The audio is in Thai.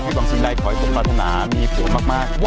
หิตว่างสีไร้คอยต้องพัฒนามีผลมาก